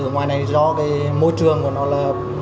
ngoài này do môi trường của nó là